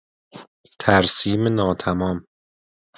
ترسیم ناتمام